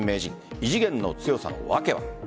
異次元の強さの訳は。